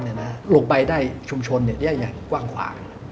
โปรดไบด้ายชุมชนแยกกว้างขวาม